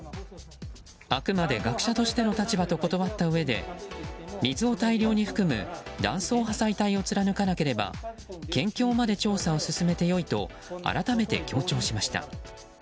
あくまで学者としての立場と断ったうえで水を大量に含む断層破砕帯を貫かなければ県境まで調査を進めて良いと改めて強調しました。